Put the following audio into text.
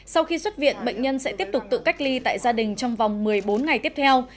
sau khi xuất viện bệnh nhân sẽ tiếp tục tự cách ly tại gia đình trong vòng một mươi bốn ngày tiếp theo